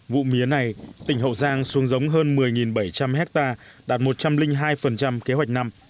vụ mía này tỉnh hậu giang xuống giống hơn một mươi bảy trăm linh hectare đạt một trăm linh hai kế hoạch năm